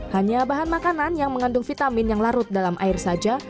hanya bahan makanan yang mengandung vitamin yang larut dalam air saja